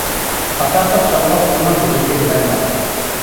ئاساسلىق چالغۇ قۇمۇل غېجىكى بىلەن داپ.